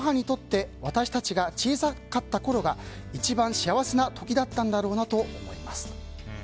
母にとって私たちが小さかったころが一番幸せな時だったんだろうなと思います。